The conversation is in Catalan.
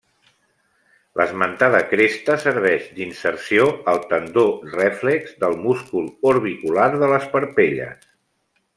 L'esmentada cresta serveix d'inserció al tendó reflex del múscul orbicular de les parpelles.